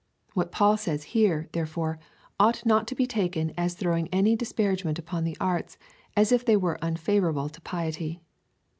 What Paul says here, therefore, ought not to be taken as throwing any dis paragement upon the arts, as if they were unfavourable to piety.